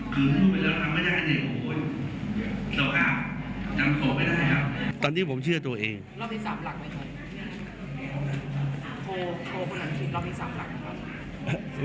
โพลโพลคนอนุทินเรามี๓หลักครับ